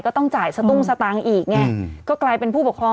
ก็ต้องจ่ายสตุ้งสตางค์อีกไงก็กลายเป็นผู้ปกครอง